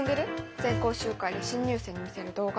全校集会で新入生に見せる動画。